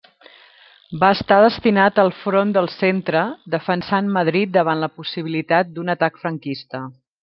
Va estar destinat al Front del Centre, defensant Madrid davant la possibilitat d'un atac franquista.